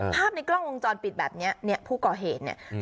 ภาพในกล้องวงจรปิดแบบนี้เนี่ยผู้ก่อเหตุเนี่ย